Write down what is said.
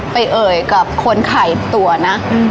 ไปเอ่ยกับคนไข่ตัวนะ